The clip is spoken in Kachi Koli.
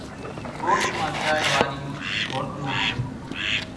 ڳوٺ مان چائيَ وارِيون هوٽلوُن سي۔